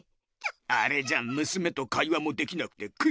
あれじゃむすめと会話もできなくて草！